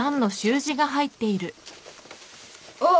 あっ！